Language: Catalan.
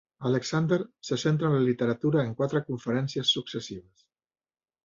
Alexander se centra en la literatura en quatre conferències successives.